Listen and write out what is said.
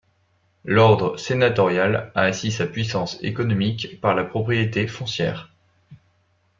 L'ordre sénatorial a assis sa puissance économique par la propriété foncière.